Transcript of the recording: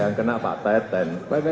yang kena pak teten